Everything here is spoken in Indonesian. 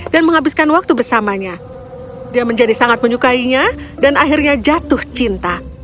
dan menghabiskan waktu bersamanya dia menjadi sangat menyukainya dan akhirnya jatuh cinta